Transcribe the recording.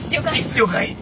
了解。